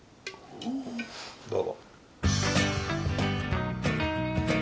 どうぞ。